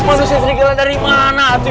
manusia serigala dari mana tuh